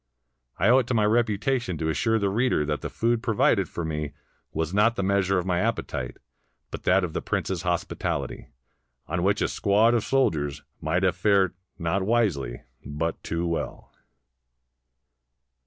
I owe it to my reputation to assure the reader that the food provided for me was not the measure of my appetite, but that of the prince's hospitality, on which a squad of soldiers might have fared not wisely, but too well.